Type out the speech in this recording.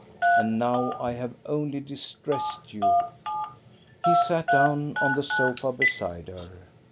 And now I have only distressed you." He sat down on the sofa beside her.